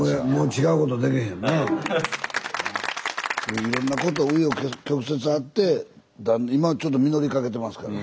いろんなことう余曲折あって今ちょっと実りかけてますからね。